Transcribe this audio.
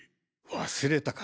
忘れたか？